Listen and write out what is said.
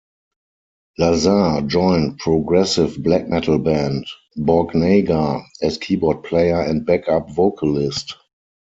Lazare joined progressive black metal band Borknagar as keyboard player and back-up vocalist.